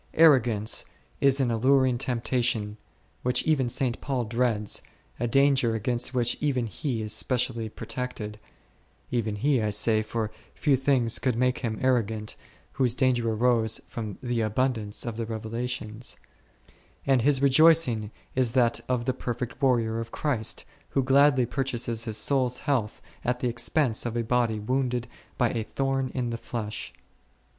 Arrogance is an alluring temptation which even St. Paul dreads, a danger against which even he is specially protected (even he, I say, for few things could make him arro gant, whose danger arose from the abundance of the revelations) ; and his rejoicing is that of the perfect warrior of Christ, who gladly purchases his soul's health at the expense of a body wounded by a thorn in the flesh.